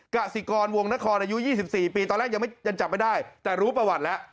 กสิกรวงนครอายุ๒๔ปีตอนแรกยังจับไม่ได้แต่รู้ประวัติแล้ว